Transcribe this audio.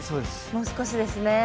もう少しですね。